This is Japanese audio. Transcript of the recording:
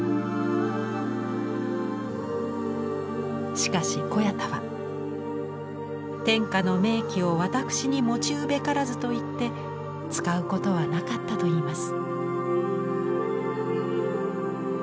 しかし小彌太は「天下の名器を私に用うべからず」と言って使うことはなかったといいます。